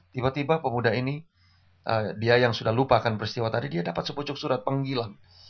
tiba tiba pemuda ini dia yang sudah lupa akan peristiwa tadi dia dapat sepucuk surat panggilan